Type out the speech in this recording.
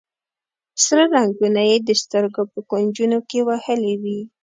سره رنګونه یې د سترګو په کونجونو کې وهلي وي.